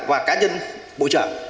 và cá nhân bộ trưởng